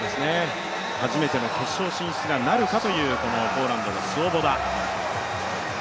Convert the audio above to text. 初めての決勝進出がなるかという、ポーランドのスウォボダ。